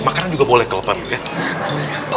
makanan juga boleh kalau pak miriam tuh